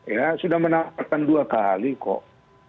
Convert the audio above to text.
ya sudah menawarkan dua kali kok